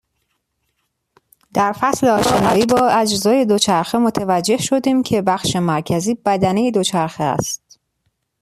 در فصل آشنایی با اجزای دوچرخه متوجه شدیم که بخش مرکزی، بدنه دوچرخه است.